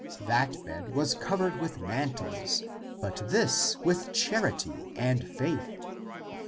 That bed w'as covered with mantles, but this with charity and faith.